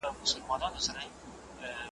د سياست پر علمي والي بحث وکړئ.